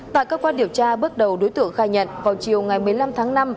tại cơ quan điều tra bước đầu đối tượng khai nhận vào chiều ngày một mươi năm tháng năm